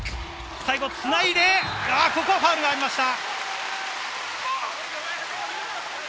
最後つないで、ここはファウルがありました。